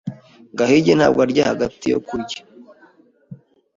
Gahigi ntabwo arya hagati yo kurya.